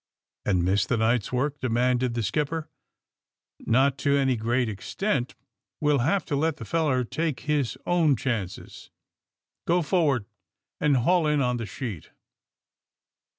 "' And miss the night's work!" demanded the skipper, ^^Not to an/ great extent. We'll have to let the feller take his own chances. Go forward and haul in on the sheet.